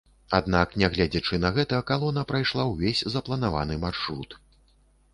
Аднак нягледзячы на гэта калона прайшла ўвесь запланаваны маршрут.